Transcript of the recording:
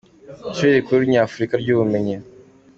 Ishuri rikuru Nyafurika ry’ubumenyi.